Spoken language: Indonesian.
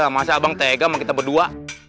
masalah bang tega sama kita berdua